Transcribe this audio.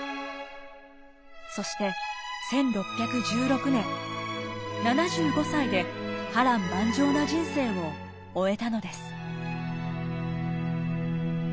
そして１６１６年７５歳で波乱万丈な人生を終えたのです。